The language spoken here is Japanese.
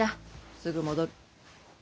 すぐ戻る。